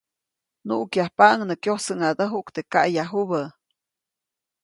Nuʼkyajpaʼuŋ nä kyosäʼŋadäjuʼk teʼ kaʼyajubä.